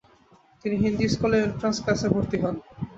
তিনি হিন্দু স্কুলে এন্ট্রান্স ক্লাশে ভর্তি হন।